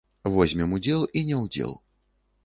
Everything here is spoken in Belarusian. Возьмем удзел і не ўдзел.